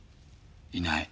いない。